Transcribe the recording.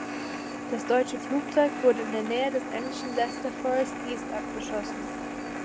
Das deutsche Flugzeug wurde in der Nähe des englischen Leicester Forest East abgeschossen.